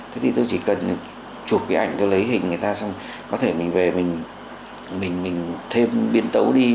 thế thì tôi chỉ cần chụp cái ảnh tôi lấy hình người ta xong có thể mình về mình thêm biên tấu đi